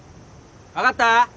分かった？